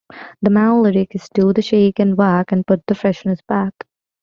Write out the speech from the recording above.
The main lyric is "do the Shake n' Vac, and put the freshness back".